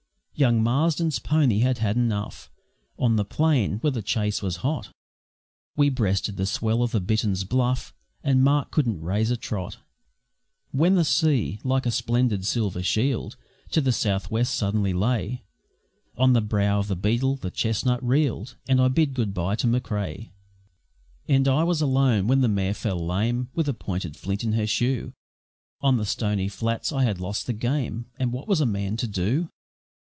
Young Marsden's pony had had enough On the plain, where the chase was hot; We breasted the swell of the Bittern's Bluff, And Mark couldn't raise a trot; When the sea, like a splendid silver shield, To the south west suddenly lay; On the brow of the Beetle the chestnut reel'd, And I bid good bye to M'Crea And I was alone when the mare fell lame, With a pointed flint in her shoe, On the Stony Flats: I had lost the game, And what was a man to do?